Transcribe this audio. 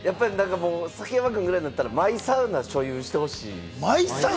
崎山君ぐらいになったら、マイサウナを所有してほしい。